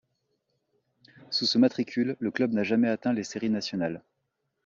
Sous ce matricule, le club n'a jamais atteint les séries nationales.